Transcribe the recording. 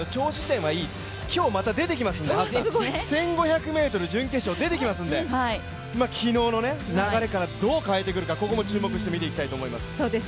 今日また出てきますんで、ハッサン１５００ｍ準決勝に出てきますんで昨日の流れからどう変えてくるか、ここも注目して見ていきたいと思います。